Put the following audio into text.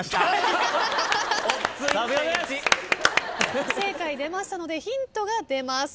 不正解出ましたのでヒントが出ます。